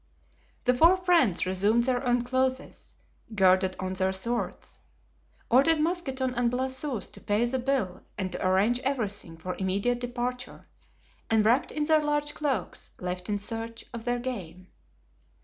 The four friends resumed their own clothes, girded on their swords, ordered Mousqueton and Blaisois to pay the bill and to arrange everything for immediate departure, and wrapped in their large cloaks left in search of their game.